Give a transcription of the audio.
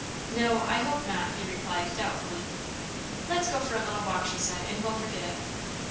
"No, I hope not," he replied, doubtfully. "Let's go for a little walk," she said, "and we'll forget it."